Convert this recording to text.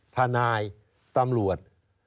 ทนายตำรวจ